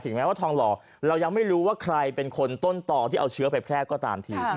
แม้ว่าทองหล่อเรายังไม่รู้ว่าใครเป็นคนต้นต่อที่เอาเชื้อไปแพร่ก็ตามที